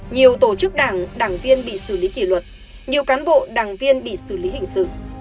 nhiều tổ chức đảng đảng viên bị xử lý kỷ luật nhiều cán bộ đảng viên bị xử lý hình sự